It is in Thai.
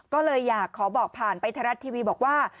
ก็เลยอยากขอบอกผ่านไปไทยรัฐทีวีบอกว่า